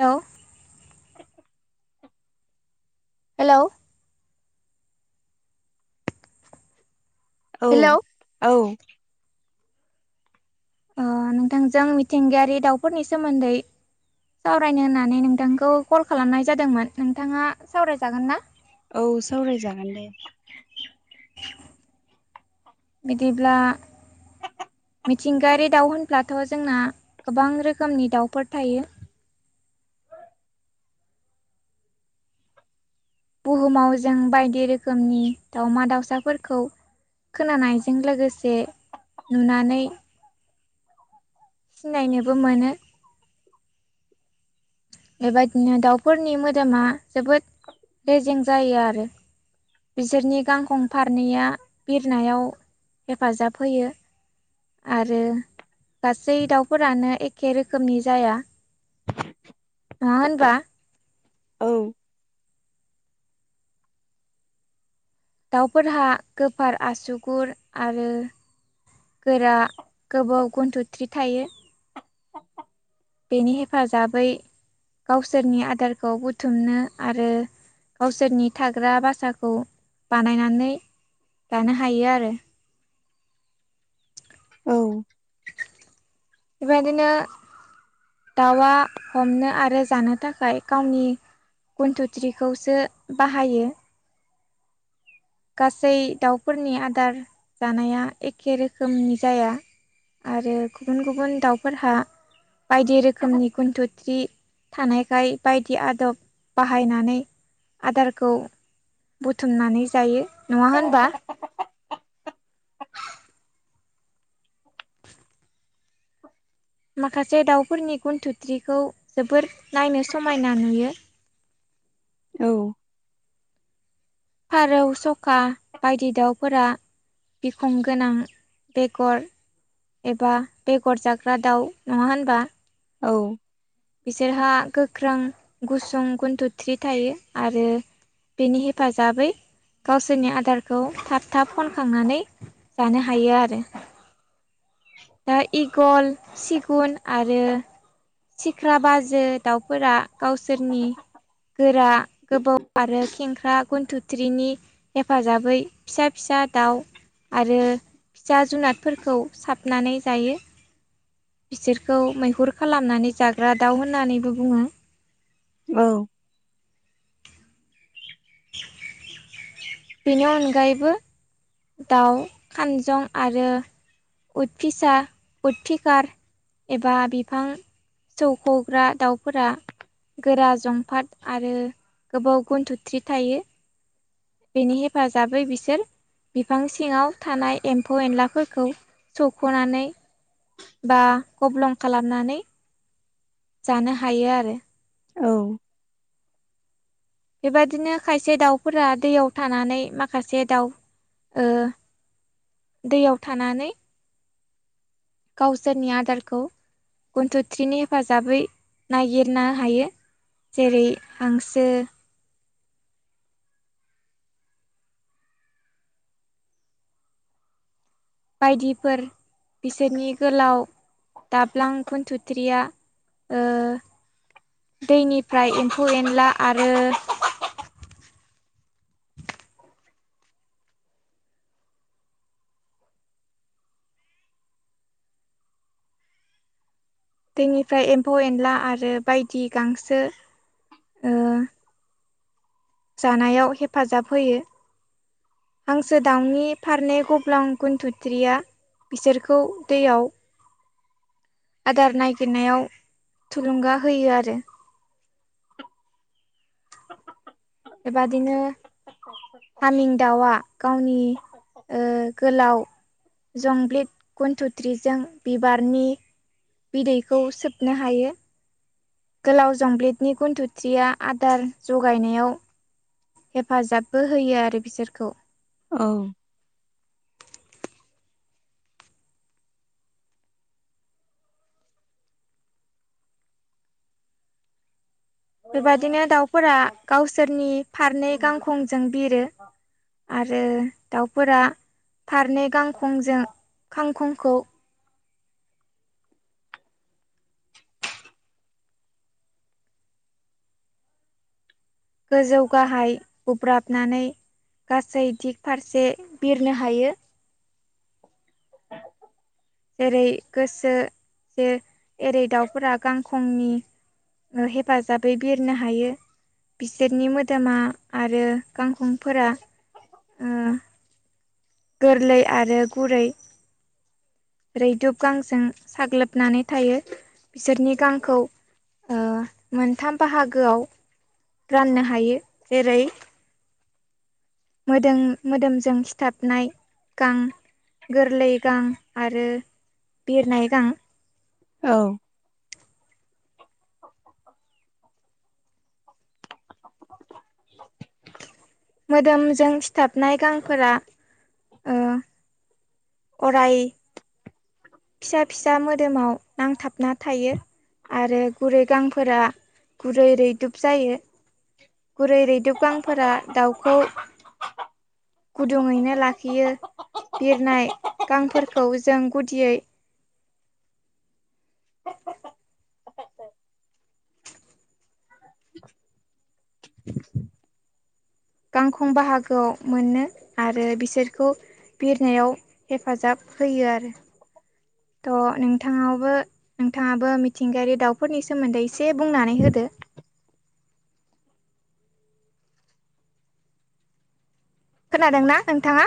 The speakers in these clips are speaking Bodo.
हेल' हेलौ औ हेलौ औ नोंथांजों मिथिंगायारि दाउफोरनि सोमोन्दै सावरायनो होननानै नोंथांखौ कल खालामनाय जादोंमोन नोंथाङा सावरायजागोन ना औ सावरायजागोन दे। बिदिब्ला मिथिंगायारि दाउ होनब्लाथ' जोंना गोबां रोखोमनि दाउफोर थायो बुहुमाव जों बायदि रोखोमनि दाावमा दाउसाफोरखौ खोनानायजों लोगोसे नुनानै सिनायनोबो मोनो। बेबायदिनो दाउफोरनि मोदोमा जोबोद रेजें जायो आरो बिसोरनि गांखं फारनैया बिरनायाव हेफाजाब होयो। आरो गासै दाउफोरानो एखे रोखोमनि जाया नङा होनबा? औ दाउफोरहा गोफार आसुगुर आरो गोरा गोबोव गुनथ्रुथ्रि थायो ‌। बेनि हेफाजाबै गावसोरनि आदारखौ बुथुमनो आरो गावसोरनि थाग्रा भासाखौ बानायनानै लानो हायो आरो। औ बेबायदिनो दाउआ हमनो आरो जानो थाखाय गावनि गुनथ्रुथ्रिखौसो बाहायो। गासै दाउफोरनि आदार जानाया एखे रोखोमनि जाया। आरो गुबुन गुबुन दाउफोरहा बायदि रोखोमनि गुनथ्रुथ्रि थानायखाय बायदि आदब बाहायनानै आदारखौ बुथुमनानै जायो नङा होनबा? माखासे दाउफोरनि गुनथ्रुथ्रिखौ जोबोर नायनो समायना नुयो। औ। फारौ सका बायदि दाउफोरा बिखं गोनां बेगर एबा बेगर जाग्रा दाउ नङा होनबा? औ बिसोरहा गोख्रों गुसुं गुनथ्रुथ्रि थायो आरो बेनि हेफाजाबै गावसोरनि आदारखौ थाब थाब खनखांनानै जानो हायो आरो। दा इगल सिगुन आरो सिख्रा बाजो दाउफोरा गावसोरनि गोरा गोबाव आरो खेंख्रा गुनथ्रुथ्रिनि हेफाजाबै फिसा फिसा दाउ आरो फिसा जुनादफोरखौ साबनानै जायो। बिसोरखौ मैहुर खालामनानै जाग्रा दाउ होननानैबो बुङो। औ। [inaudible] बेनि अनगायैबो दाउ खानजं आरो उद फिसा उद‌ फिकार एबा बिफां जौख'ग्रा दाउफोरा गोरा जंफाद आरो गोबोव गुनथ्रुथ्रि थायो‌। बेनि हेफाजाबै बिसोर बिफां सिङाव थानाय एम्फौ एनलाफोरखौ सौ खनानै बा गब्लं खालामनानै जानो हायो आरो। औ बेबादिनो खायसे दाउफोरा दैयाव थानानै माखासे दाउ ओ दैयाव थानानै गावसोरनि आदारखौ गुनथ्रुथ्रिनि हेफाजाबै नागिरनो हायो। जेरै हांसो बायदिफोर बिसोरनि गोलाव दाब्लां गुनथ्रुथ्रिया ओ दैनिफ्राय एम्फौ एनला आरो दैनिफ्राय एम्फौ एनला आरो बायदि गांसो ओ जानायाव हेफाजाब होयो। हांसो दाउनि फारनै गब्लं गुनथ्रुथ्रिया बिसोरखौ दैयाव आदार नायागिरनायाव थुलुंगा होयो आरो। बेबादिनो हामिं दाउआ गावनि गोलाव जंब्लिद गुनथुथ्रिजों बिबारनि बिदैखौ सोबनो हायो। गोलाव जंब्लिदनि गुन्थुथिया आदार जगायनायाव हेफाजाबबो होयो आरो बिसोरखौ औ बेबादिनो दाउफोरा गावसोरनि फारनै गांखंजों बिरो। आरो दाउफोरा फारनै गांखंजों खांखंखौ गोजौ गाहाय बुब्राबनानै गासै दिग फारसे बिरनो हायो जेरै गोसो जे एरै दाउफोरा गांखंनि हेफाजाबै बिरनो हायो। बिसोरनि मोदोमा आरो गांखंफोरा गोरलै आरो गुरै। रैदुब गांजों साग्लोबनानै थायो बिसोरनि गांखौ ओ मोनथाम बाहागोआव राननो हायो जेरै मोदोम-मोदोमजों सिथाबनाय गां गोरलै गां आरो बिरनाय गां। औ मोदोमजों सिथाबनाय गांफोरा अराय फिसा फिसा मोदोमाव नांथाबना थायो। आरो गुरै गांफोरा गुरै रैदुब जायो। गुरै रैदुब गांफोरा दाउखौ गुदुङैनो लाखियो बिरनाय गांफोरखौ जों गुदियै गांखं बाहागोआव मोनो आरो बिसोरखौ बिरनायाव हेफाजाब होयो आरो थ नोंथाङाबो नोंथाङाबो मिथिंगायारि दाउफोरनि सोमोन्दै एसे बुंनानै होदो। खोनादोंना नोंथाङा?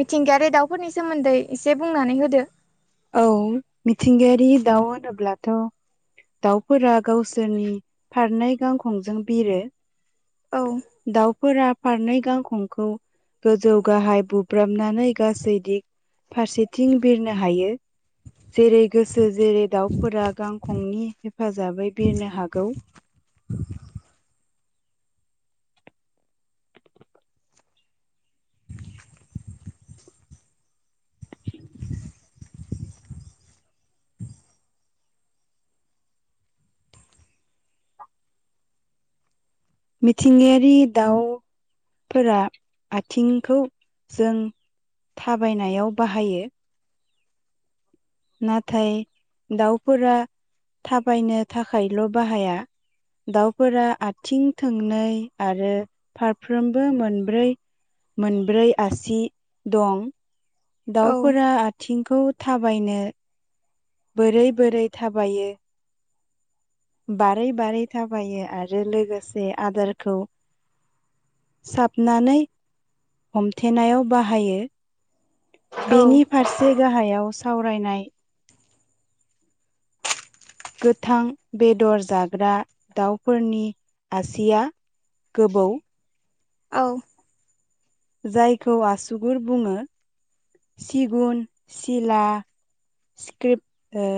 मिथिंगायारि दाउफोरनि सोमोन्दै एसे बुंनानै होदो। औ मिथिंगायारि दाउ होनोब्लाथ' दाउफोरा गावसोरनि फारनै गांखंजों बिरो। औ दाउ फोरा फारनै गांखंखौ गोजौ गाहाय बुब्रामनानै गासै दिग फारसेथिं बिरनो हायो। जेरै गोसो जेरै दावउफोरा गांखंनि हेफाजाबै बिरनो हागौ। [inaudible] मिथिंगायारि दाउ फोरा आथिंखौ जों थाबायनायाव बाहायो। नाथाय दाउफोरा थाबायनो थाखायल' बाहाया। दाउफोरा आथिं थोंनै आरो फारफ्रोमबो मोनब्रै मोनब्रै आसि दं। औ दाउफोरा आथिंखौ थाबायनो बोरै बोरै थाबायो बारै बारै थाबायो आरो लोगोसे आदारखौ साबनानै हमथेनायाव बाहायो औ बेनि फारसे गाहायाव सावरायनाय गोथां बेदर जाग्रा दाउफोरनि आसिया गोबौ। औ जायखौ आसुगुर बुङो। सिगुन, सिला, स्क्रिप ओ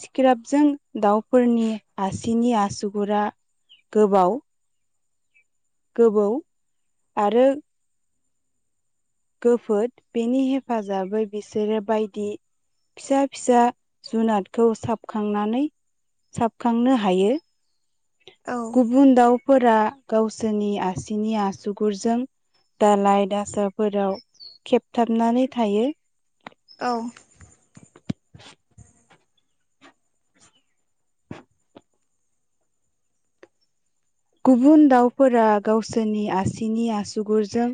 सिक्राबजों दाउफोरनि आसिनि आसुगुरा गोबाव गोबौ आरो गोफोद बेनि हेफाजाबै बिसोरो बायदि फिसा फिसा जुनादखौ साबखांनानै साबखांनो हायो। औ बु दाउफोरा गावसोरनि आसिनि आसुगुरजों दालाइ दासाफोराव खेबथाबनानै थायो। औ गुबुन दाउफोरा गावसोरनि आसिनि आसुगुरजों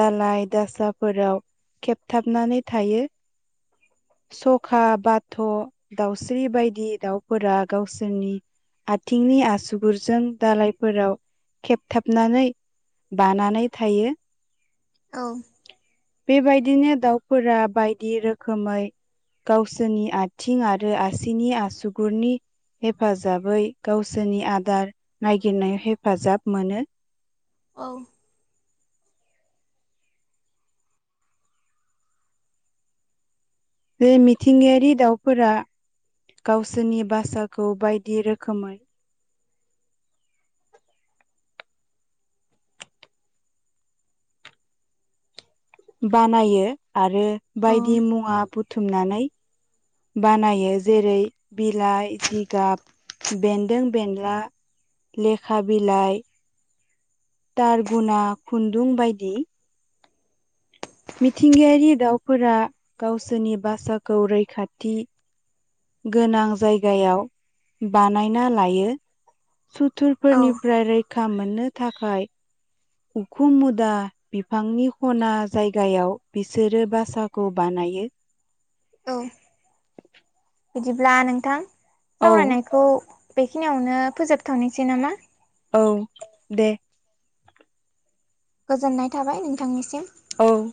दालाइ दासाफोराव खेबथाबनानै थायो। सखा बाथ' दाउस्रि बायदि दाउफोरा गावसोरनि आथिंनि आसुगुरजों दालायफ फोराव खेबथाबनानै बानानै थायो। औ बेबायदिनो दाउफोरा बायदि रोखोमै गावसोरनि आथिं आरो आसिनि आसुगुरनि हेफाजाबै गावसोरनि आदार गिनाय हेफाजाब मोनो। औ बे मिथिंगायारि दाउफोरा गावसोरनि बासाखौ बायदि रोखोमै बानायो आरो औ बायदि मुवा बुथुमनानै बानायो जेरै बिलाइ जिगाब बेन्दों बेनला लेखा बिलाइ तार गुना खुन्दुं बायदि मिथिंगायारि दाउफोरा गावसोरनि बासाखौ रैखाथि गोनां जायगायाव बानायना लायो। औ सुथुरफोरनिफ्राय रैखा मोननो थाखाय उखुम मुदा बिफांनि खना जायगायाव बिसोरो बासाखौ बानायो। औ बिदिब्ला नोंथां औ सावरायनायखौ बेखिनियावनो फोजोबथ'निसै नामा? औ दे गोजोननाय थाबाय नोंथांनिसिम। औ